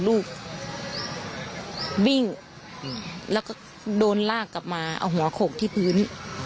ลูกวิ่งแล้วก็โดนลากกลับมาเอาหัวโขกที่พื้น